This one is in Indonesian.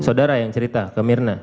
saudara yang cerita ke mirna